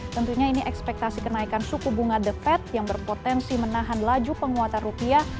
tentunya ini ekspektasi kenaikan suku bunga the fed yang berpotensi menahan laju penguatan rupiah